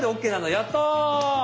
やった。